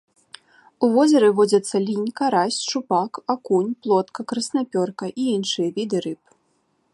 У возеры водзяцца лінь, карась, шчупак, акунь, плотка, краснапёрка і іншыя віды рыб.